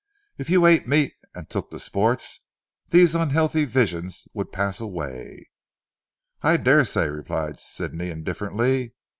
If you ate meat and took to sport, these unhealthy visions would pass away." "I daresay," replied Sidney indifferently.